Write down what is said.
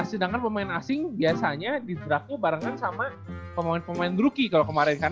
sedangkan pemain asing biasanya di drugnya barengan sama pemain pemain druki kalau kemarin kan